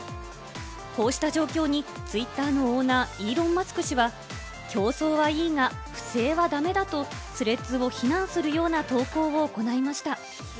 こうした状況にツイッターのオーナー、イーロン・マスク氏は競争はいいが、不正は駄目だとスレッズを非難するような投稿を行いました。